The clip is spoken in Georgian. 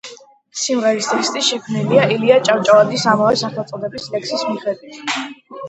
სიმღერის ტექსტი შექმნილია ილია ჭავჭავაძის ამავე სახელწოდების ლექსის მიხედვით.